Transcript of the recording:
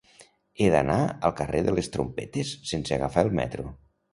He d'anar al carrer de les Trompetes sense agafar el metro.